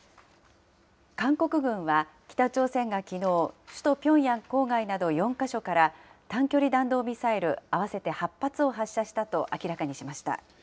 韓国軍は、北朝鮮がきのう、首都ピョンヤン郊外など４か所から短距離弾道ミサイル合わせて８発を発射したと明らかにしました。